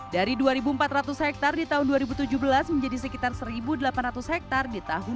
dari dua empat ratus hektare di tahun dua ribu tujuh belas menjadi sekitar satu delapan ratus hektare di tahun dua ribu delapan belas